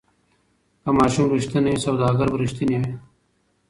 که ماشوم ریښتینی وي سوداګر به ریښتینی وي.